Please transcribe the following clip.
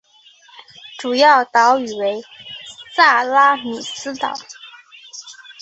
主要岛屿为萨拉米斯岛。